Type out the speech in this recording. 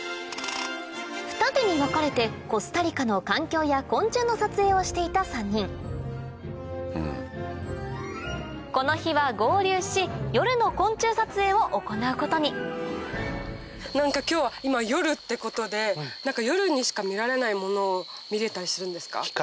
ふた手に別れてコスタリカの環境や昆虫の撮影していた３人この日は合流し夜の昆虫撮影を行うことに何か今日は今夜ってことで夜にしか見られないものを見れたりするんですか？